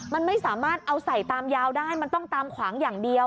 มันไม่สามารถเอาใส่ตามยาวได้มันต้องตามขวางอย่างเดียว